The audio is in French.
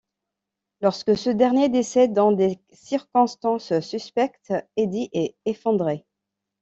Lorsque ce dernier décède dans des circonstances suspectes, Eddie est effondré.